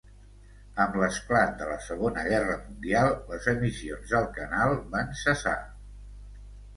Amb l'esclat de la Segona Guerra Mundial les emissions del canal van cessar.